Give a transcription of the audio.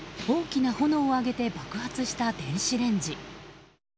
大きな炎を上げて爆発した電子レンジ。